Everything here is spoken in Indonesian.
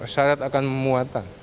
syarat akan memuatan